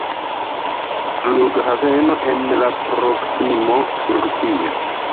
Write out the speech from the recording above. Flughaveno en la proksimo funkcias.